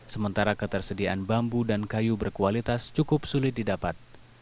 sementara ketersediaan bambu dan kayu berkualitas cukup sulit didapat